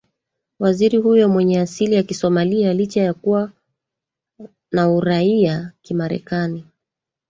waziri huyo mwenye asili ya kisomalia licha ya kuwa na uraia kimarekani